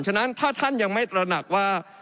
ฉะนั้นถ้าท่านยังไม่ตระหนักว่า